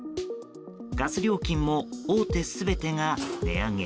ガス料金も大手全てが値上げ。